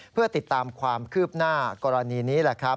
เพื่อติดตามความคืบหน้ากรณีนี้แหละครับ